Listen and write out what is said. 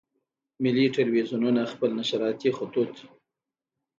ملي ټلویزیونونه خپل نشراتي خطوط.